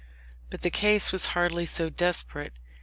But the case was hardly so desperate.